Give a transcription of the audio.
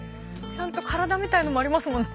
ちゃんと体みたいのもありますもんね。